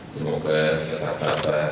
semoga tetap tetap baik